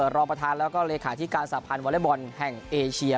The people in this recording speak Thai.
บริษัทพร้อมประธานแล้วก็เลยค่าที่การสาหรับพันวอเล็กบอลแห่งเอเชีย